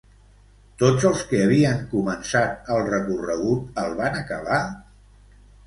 Tots els que havien començat el recorregut el van acabar?